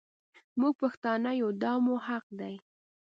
مونږ پښتانه يو دا مو حق دی.